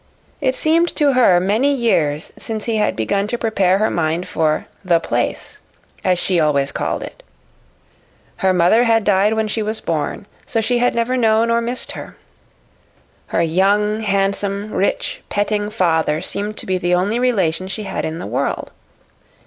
It seemed to her many years since he had begun to prepare her mind for "the place," as she always called it. Her mother had died when she was born, so she had never known or missed her. Her young, handsome, rich, petting father seemed to be the only relation she had in the world.